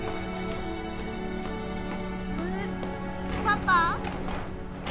パパ？